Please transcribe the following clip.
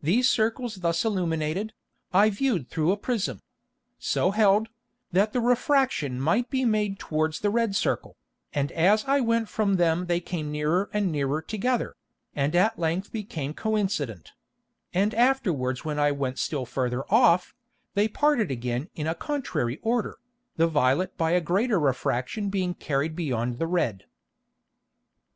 These Circles thus illuminated, I viewed through a Prism, so held, that the Refraction might be made towards the red Circle, and as I went from them they came nearer and nearer together, and at length became co incident; and afterwards when I went still farther off, they parted again in a contrary Order, the violet by a greater Refraction being carried beyond the red.